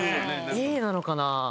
Ａなのかな？